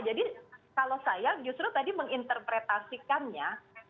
jadi kalau saya justru tadi menginterpretasikannya